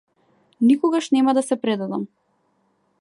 Никогаш нема да се предадам.